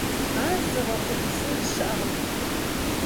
Ар зыгъэхъужыфын щыӀэкъым.